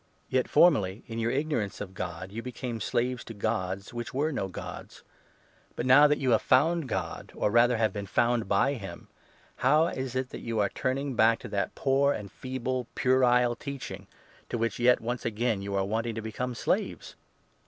Yet formerly, in your ignorance of God, you 8 crade'sViHt became slaves to ' gods 'which were no gods. But 9 of the now that you have found God — or, rather, have Gaiatians. been found by him — how is it that you are turn ing back to that poor and feeble puerile teaching, to which yet once again you are wanting to become slaves